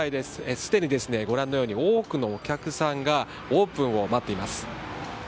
すでにご覧のように多くのお客さんがオープンを待っています。